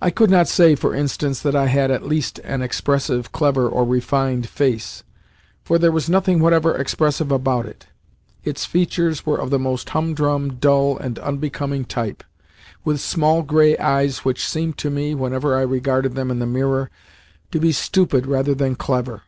I could not say, for instance, that I had at least an expressive, clever, or refined face, for there was nothing whatever expressive about it. Its features were of the most humdrum, dull, and unbecoming type, with small grey eyes which seemed to me, whenever I regarded them in the mirror, to be stupid rather than clever.